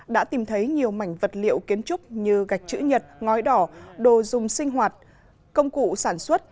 đã tìm thấy nhiều mảnh vật liệu kiến trúc như gạch chữ nhật ngói đỏ đồ dùng sinh hoạt công cụ sản xuất